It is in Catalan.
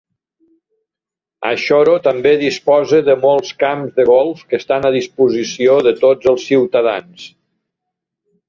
Ashoro també disposa de molts camps de golf que estan a disposició de tots els ciutadans.